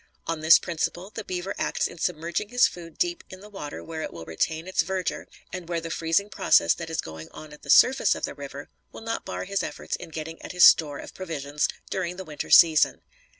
On this principle, the beaver acts in submerging his food deep in the water where it will retain its verdure and where the freezing process that is going on at the surface of the river will not bar his efforts in getting at his store of provisions during the winter season.